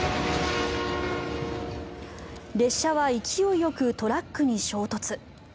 列車は勢いよくトラックに衝突。